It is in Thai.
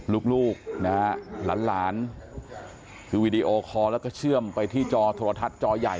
ลูกลูกนะฮะลายลายคือคอแล้วก็เชื่อมไปที่จอทัวร์ทัศน์จอใหญ่